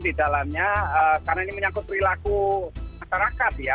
di dalamnya karena ini menyangkut perilaku masyarakat ya